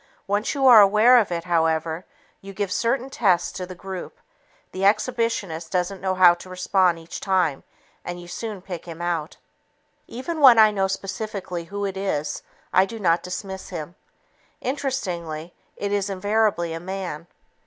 Once you are aware of it, however, you give certain tests to the group. The exhibitionist doesn't know how to respond each time and you soon pick him out. Even when I know specifically who it is, I do not dismiss him. Interestingly, it is invariably a man.